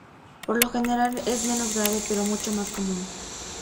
Por lo general es menos grave, pero mucho más común.